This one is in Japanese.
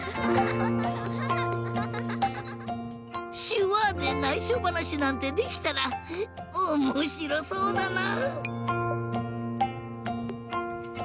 しゅわでないしょばなしなんてできたらおもしろそうだな！